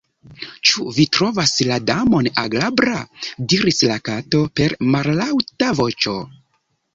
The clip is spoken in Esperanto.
"Ĉu vi trovas la Damon agrabla?" diris la Kato per mallaŭta voĉo.